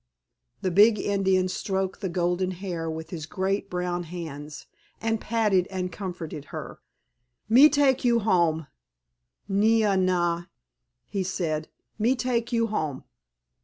The big Indian stroked the golden hair with his great brown hands and patted and comforted her. "Me take you home, Nee ah nah," he said, "me take you home."